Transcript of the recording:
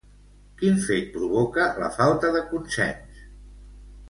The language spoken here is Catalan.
Quin fet provoca la falta de consens?